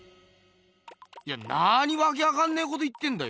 いやなにわけわかんねえこと言ってんだよ。